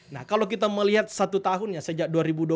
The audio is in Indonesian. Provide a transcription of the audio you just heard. nah kalau kita melihat satu tahunnya sejak